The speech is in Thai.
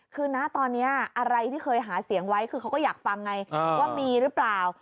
คือนะตอนนี้อะไรที่เคยหาเสียงไว้คือเขาก็อยากฟังไงว่ามีหรือเปล่า